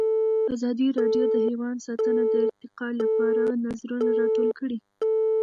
ازادي راډیو د حیوان ساتنه د ارتقا لپاره نظرونه راټول کړي.